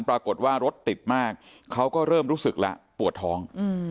ปรากฎว่ารถติดมากเริ่มรู้สึกปวดท้อง